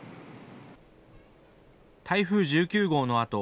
台風１９号のあと